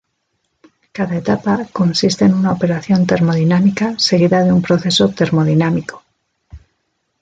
Cada etapa consiste en una operación termodinámica seguida de un proceso termodinámico.